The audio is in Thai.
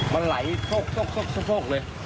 มันไหลกเลย